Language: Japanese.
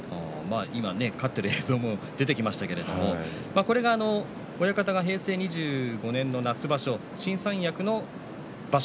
今、勝っている映像も出てきましたけどこれが親方が平成２５年の夏場所新三役の場所